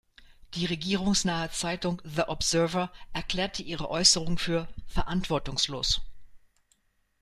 Die regierungsnahe Zeitung The Observer erklärte ihre Äußerungen für „verantwortungslos“.